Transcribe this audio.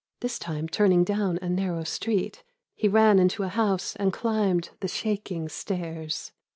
This time turning down a narrow street He ran into a house And chmbcd the shaking stairs.